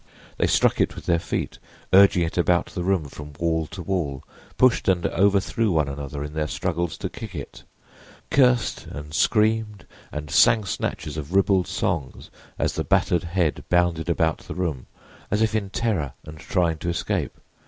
They struck it with their feet, urging it about the room from wall to wall; pushed and overthrew one another in their struggles to kick it; cursed and screamed and sang snatches of ribald songs as the battered head bounded about the room as if in terror and trying to escape.